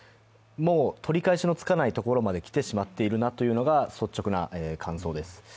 もう取り返しのつかないところまで来てしまっているなというのが率直な感想です。